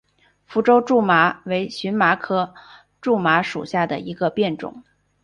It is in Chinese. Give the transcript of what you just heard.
福州苎麻为荨麻科苎麻属下的一个变种。